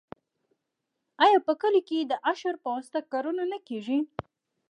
آیا په کلیو کې د اشر په واسطه کارونه نه کیږي؟